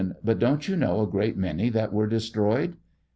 But don't you know a great many that were des troyed